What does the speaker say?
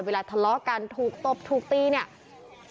ทะเลาะกันถูกตบถูกตีเนี่ย